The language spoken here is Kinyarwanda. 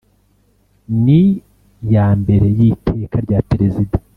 n’iya mbere y’iteka rya perezida